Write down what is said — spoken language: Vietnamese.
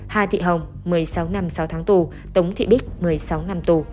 hà thị hồng một mươi sáu năm sáu tháng tù tống thị bích một mươi sáu năm tù